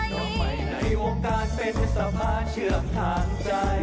ต้องไปในวงการเป็นฮุษธภาคเชื่อมทางใจ